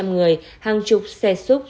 hai trăm linh người hàng chục xe xúc